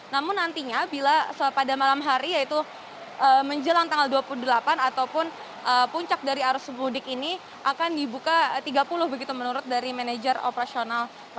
namun nantinya bila pada malam hari yaitu menjelang tanggal dua puluh delapan ataupun puncak dari arus mudik ini akan dibuka tiga puluh begitu menurut dari manajer operasional